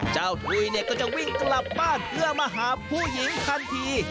เจ้าถุยก็จะวิ่งกลับบ้านเดื้อมาหาผู้หญิงทันที